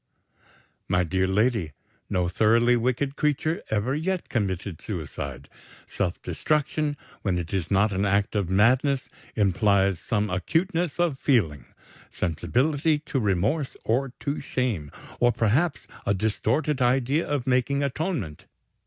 "My dear lady, no thoroughly wicked creature ever yet committed suicide. Self destruction, when it is not an act of madness, implies some acuteness of feeling sensibility to remorse or to shame, or perhaps a distorted idea of making atonement.